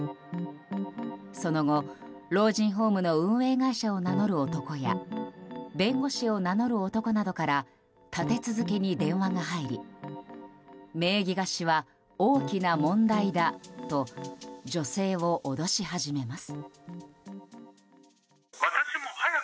その後、老人ホームの運営会社を名乗る男や弁護士を名乗る男などから立て続けに電話が入り名義貸しは大きな問題だと女性を脅し始めます。